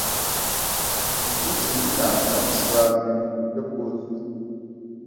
inzuzi n’inyanja bisobanuye mu buryo bwuzuye